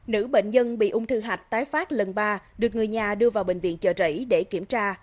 nữ bệnh nhân bị ung thư hạch tái phát lần ba được người nhà đưa vào bệnh viện chợ rẫy để kiểm tra